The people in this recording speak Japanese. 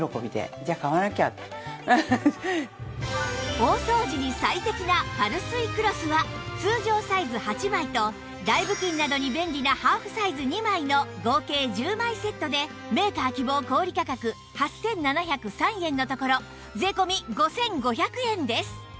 大掃除に最適なパルスイクロスは通常サイズ８枚と台布巾などに便利なハーフサイズ２枚の合計１０枚セットでメーカー希望小売価格８７０３円のところ税込５５００円です